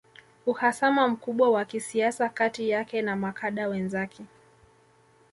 Uhasama mkubwa wa kisiasa kati yake na makada wenzake